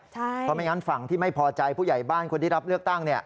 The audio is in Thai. เพราะไม่งั้นฝั่งที่ไม่พอใจผู้ใหญ่บ้านคนที่รับเลือกตั้ง